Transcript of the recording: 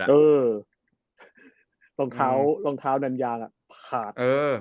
อือทุ่งเท้านั้นยาพาด